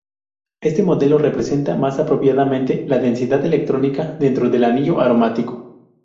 Este modelo representa más apropiadamente la densidad electrónica dentro del anillo aromático.